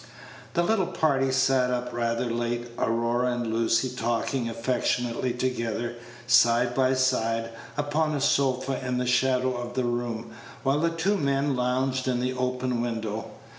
The little party sat up rather late, Aurora and Lucy talking affectionately together, side by side, upon a sofa in the shadow of the room, while the two men lounged in the open window.